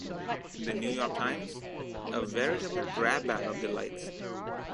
The "New York Times" : "a veritable grab-bag of delights.